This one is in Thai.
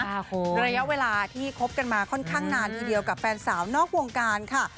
ระยะเวลาที่คบกันมาค่อนข้างนานทีเดียวกับแฟนสาวนอกวงการค่ะ